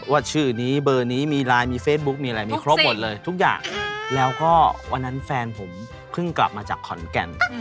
ชื่อนี้เบอร์นี้มีไลน์มีเฟซบุ๊คมีอะไรมีครบหมดเลยทุกอย่างแล้วก็วันนั้นแฟนผมเพิ่งกลับมาจากขอนแก่น